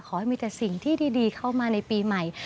ขอให้มีแต่สิ่งที่ดีเข้ามาในปีใหม่